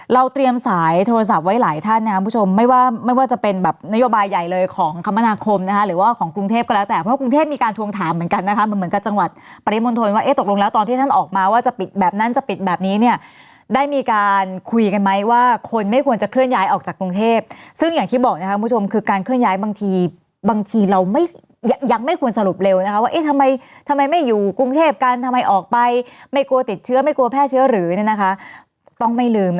เราเตรียมสายโทรศัพท์ไว้หลายท่านนะครับผู้ชมไม่ว่าจะเป็นแบบนโยบายใหญ่เลยของคมนาคมนะหรือว่าของกรุงเทพก็แล้วแต่เพราะกรุงเทพมีการทวงถามเหมือนกันนะคะเหมือนกับจังหวัดปริมนธนว่าตกลงแล้วตอนที่ท่านออกมาว่าจะปิดแบบนั้นจะปิดแบบนี้เนี่ยได้มีการคุยกันไหมว่าคนไม่ควรจะเคลื่อนย้ายออกจากกร